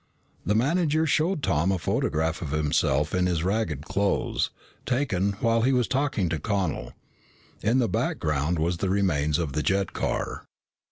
The manager showed Tom a photograph of himself in his ragged clothes, taken while he was talking to Connel. In the background was the remains of the jet car.